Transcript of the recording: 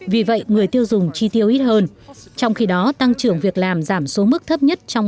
vì vậy người tiêu dùng chi tiêu ít hơn trong khi đó tăng trưởng việc làm giảm xuống mức thấp nhất trong